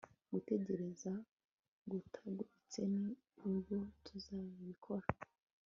gutegereza tugarutse nibwo tuzabikora